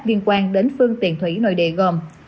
liên quan đến phương tiền thủy nội địa gồm